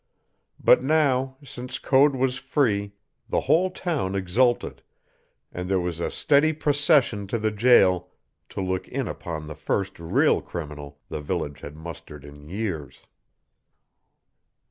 But now, since Code was free, the whole town exulted, and there was a steady procession to the jail to look in upon the first real criminal the village had mustered in years.